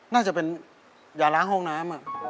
น่าจะเป็นยาล้างห้องน้ำ